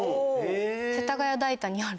世田谷代田にある。